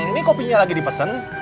ini kopinya lagi dipesen